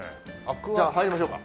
じゃあ入りましょうか。